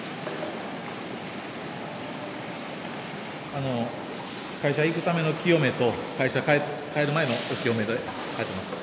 あの会社行くための清めと会社帰る前のお清めで入ってます。